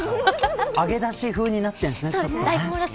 揚げだしふうになってるんですね。